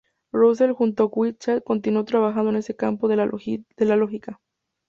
Russell junto con Whitehead continuó trabajando en ese campo de la lógica.